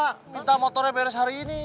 minta motornya beres hari ini